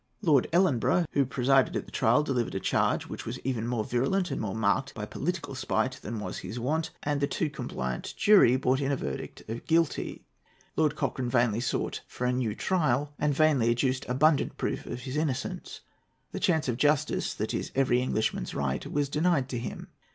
Lord Ellenborough, who presided at the trial, delivered a charge which was even more virulent and more marked by political spite than was his wont, and the too compliant jury brought in a verdict of "guilty." Lord Cochrane vainly sought for a new trial, and vainly adduced abundant proof of his innocence. The chance of justice that is every Englishman's right was denied to him.